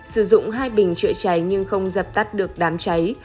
sử dụng hai bình chữa cháy nhưng không dập tắt được đám cháy